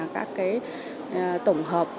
các tổng hợp